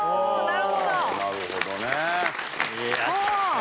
なるほどね。